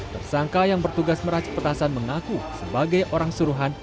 tersangka yang bertugas meracik petasan mengaku sebagai orang suruhan